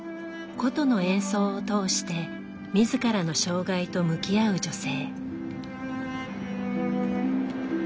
箏の演奏を通して自らの障害と向き合う女性。